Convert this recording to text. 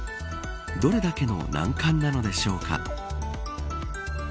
どれだけの難関なのでしょうか。